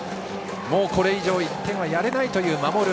これ以上１点はやれないという守る